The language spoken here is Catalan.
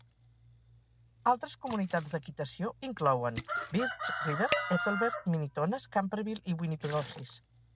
Altres comunitats d'equitació inclouen Birch River, Ethelbert, Minitonas, Camperville i Winnipegosis.